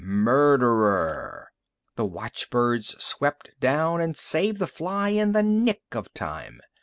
Murderer! The watchbirds swept down and saved the fly in the nick of time.